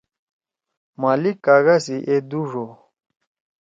مالک کاگا سی اے دُو ڙو!